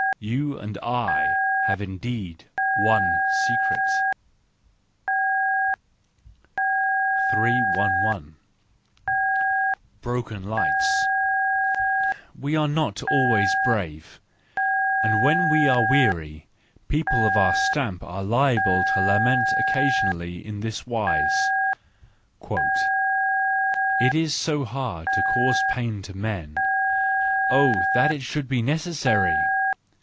You and I have indeed one secret! 3 11 Broken Lights .—We are not always brave, and when we are weary, people of our stamp are liable to lament occasionally in this wise:—" It is so hard to cause pain to men—oh, that it should be necessary!